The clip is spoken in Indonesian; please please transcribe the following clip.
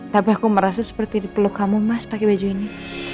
tapi aku merasa seperti dipeluk kamu mas pakai baju ini